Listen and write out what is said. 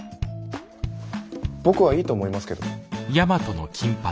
僕はいいと思いますけど。